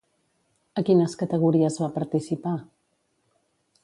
A quines categories va participar?